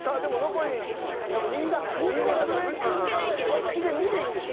こっちで２でいいんでしょ？